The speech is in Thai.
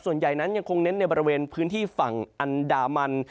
ส่วนใหญ่นั้นยังคงเน้นในบริเวณพื้นที่ฝั่งอันดามัน